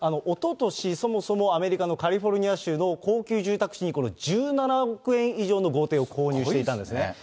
おととし、そもそもアメリカのカリフォルニア州の高級住宅地に、１７億円以上の豪邸を購入していたんですね。